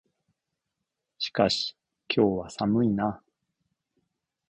しかし、今日は寒いな。